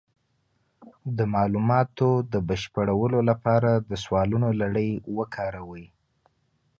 د معلوماتو د بشپړولو لپاره د سوالونو لړۍ وکاروئ.